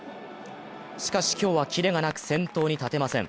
しかし今日はキレがなく、先頭に立てません。